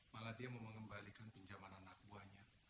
malah dia mau mengembalikan pinjaman anak buahnya